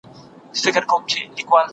پيغمبر د ذمي په حق کي ډېر زیات احتیاط کاوه.